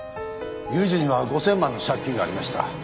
裕二には５０００万の借金がありました。